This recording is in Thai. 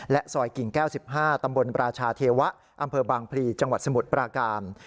ซอยกิ่งแก้ว๑๕ตำบลประชาเทวะอำเภอบางพลีจังหวัดสมุทรปราการ